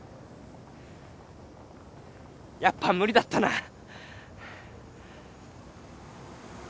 やっぱ無理だったな。